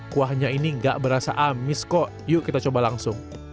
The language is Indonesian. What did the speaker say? kuahnya ini gak berasa amis kok yuk kita coba langsung